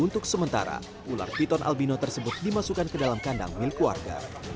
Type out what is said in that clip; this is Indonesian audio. untuk sementara ular piton albino tersebut dimasukkan ke dalam kandang milik warga